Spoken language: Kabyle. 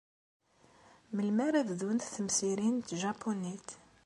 Melmi ara bdunt temsirin n tjapunit?